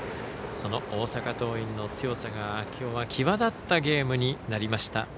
その大阪桐蔭の強さがきょうは際立ったゲームになりました。